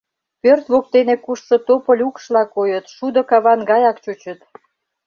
Пӧрт воктене кушшо тополь укшла койыт, шудо каван гаяк чучыт.